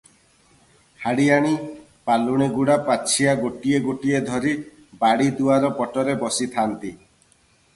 ହାଡିଆଣୀ, ପାଲୁଣୀଗୁଡା ପାଛିଆ ଗୋଟିଏ ଗୋଟିଏ ଧରି ବାଡ଼ି ଦୁଆର ପଟରେ ବସିଥାନ୍ତି ।